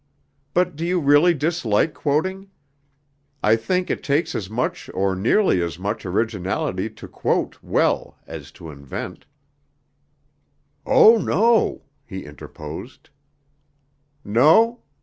But do you really dislike quoting? I think it takes as much or nearly as much originality to quote well as to invent." "Oh, no!" he interposed. "No?